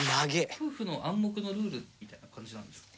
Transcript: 夫婦の暗黙のルールみたいな感じなんですか？